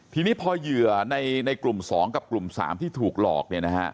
ทีนี้พอเหยื่อในกลุ่ม๒กับกลุ่ม๓ที่ถูกหลอก